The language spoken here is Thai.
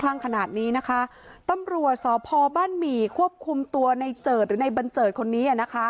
ลั่งขนาดนี้นะคะตำรวจสพบ้านหมี่ควบคุมตัวในเจิดหรือในบันเจิดคนนี้อ่ะนะคะ